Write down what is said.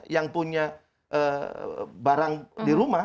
yang punya barang di rumah